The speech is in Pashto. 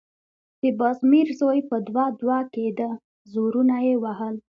د بازمير زوی په دوه_ دوه کېده، زورونه يې وهل…